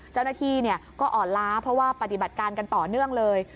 เจ้าหน้าที่ก็อ่อนล้าเพราะว่าปฏิบัติการกันต่อเนื่องเลย